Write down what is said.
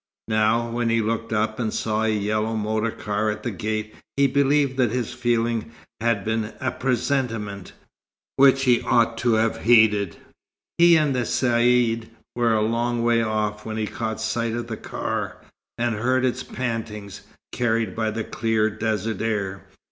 Now, when he looked up and saw a yellow motor car at the gate, he believed that his feeling had been a presentiment, a warning of evil, which he ought so have heeded. He and the Caïd were a long way off when he caught sight of the car, and heard its pantings, carried by the clear desert air.